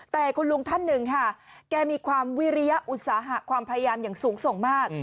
แต่คุณลุงท่านหนึ่งค่ะแกมีความวิริยอุตสาหะความพยายามอย่างสูงส่งมาก